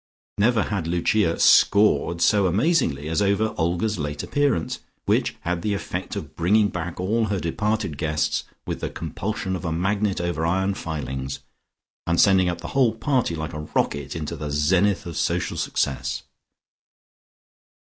Never had Lucia "scored" so amazingly as over Olga's late appearance, which had the effect of bringing back all her departed guests with the compulsion of a magnet over iron filings, and sending up the whole party like a rocket into the zenith of social success.